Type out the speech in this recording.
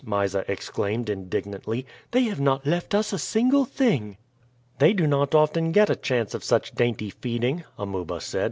Mysa exclaimed indignantly; "they have not left us a single thing." "They do not often get a chance of such dainty feeding," Amuba said.